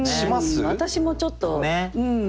私もちょっと。